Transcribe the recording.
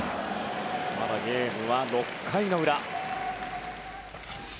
ゲームは６回の裏。